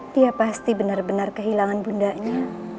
dia pasti benar benar kehilangan bundanya